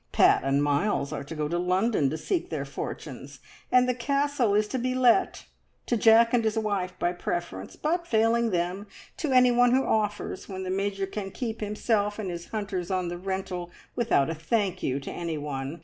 Pat and Miles are to go to London to seek their fortunes, and the Castle is to be let to Jack and his wife by preference, but, failing them, to anyone who offers, when the Major can keep himself and his hunters on the rental without a `Thank you' to anyone.